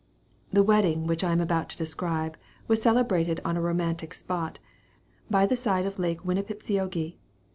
The wedding which I am about to describe was celebrated on a romantic spot, by the side of Lake Winnipiseogee.